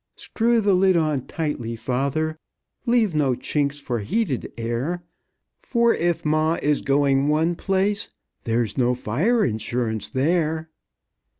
"Screw the lid on tightly, father, Leave no chinks for heated air, For if ma is going one place, There's no fire insurance there."